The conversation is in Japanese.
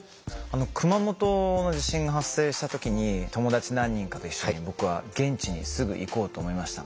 熊本の地震が発生した時に友達何人かと一緒に僕は現地にすぐ行こうと思いました。